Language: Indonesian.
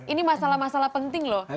ini masalah masalah penting loh